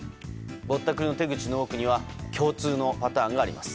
ぼったくりの手口の多くには共通のパターンがあります。